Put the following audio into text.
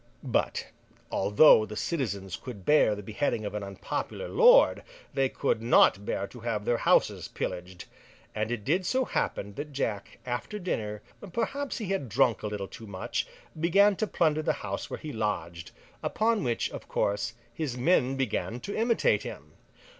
But, although the citizens could bear the beheading of an unpopular lord, they could not bear to have their houses pillaged. And it did so happen that Jack, after dinner—perhaps he had drunk a little too much—began to plunder the house where he lodged; upon which, of course, his men began to imitate him.